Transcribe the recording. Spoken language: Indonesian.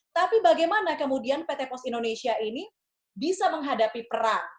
tapi bagaimana kemudian pt pos indonesia ini bisa menghadapi perang